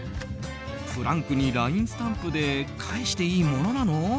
フランクにＬＩＮＥスタンプで返していいものなの？